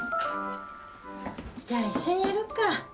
じゃあ一緒にやろっか。